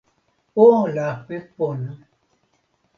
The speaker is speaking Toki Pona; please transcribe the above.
o lape pona.